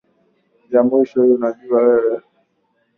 huo Mmoja ni Lukio Mkurene Mwingine ni Simeoni aitwaye Nigeri